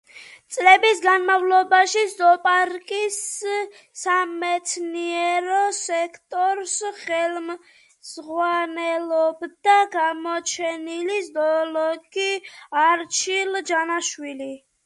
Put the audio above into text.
წლების განმავლობაში ზოოპარკის სამეცნიერო სექტორს ხელმძღვანელობდა გამოჩენილი ზოოლოგი არჩილ ჯანაშვილი.